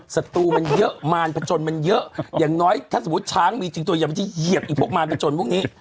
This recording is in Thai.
ศัตรูมันเยอะมารพจนมันเยอะอย่างน้อยถ้าสมมุติช้างมีจริงตัวอย่างมันจะเหยียบไอ้พวกมารพจนพวกนี้